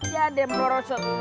ya dia merosot